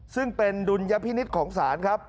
ซึ่งเป็นดุลยพินิษฐ์ของศาลครับ